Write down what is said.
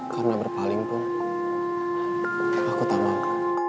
karena berpaling pun aku tak mau